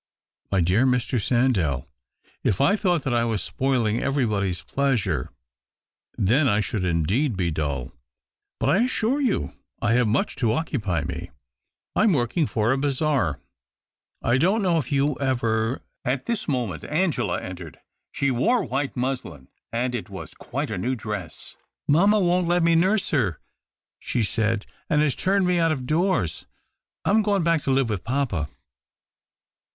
" My dear Mr. Sandell, if I thought that [ Avas spoiling everybody's pleasure, then I should indeed be dull. But I assure you I lave much to occupy me. I'm working for I bazaar. I don't know if you ever " iVt this moment Angela entered. She wore white muslin, and it was quite a new dress. S 258 THE OCTAVE OF CLAUDIUS. " Mamma won't let me nurse her," she said, " and lias turned me out of doors. I am Q oino; to iD back to live with papa."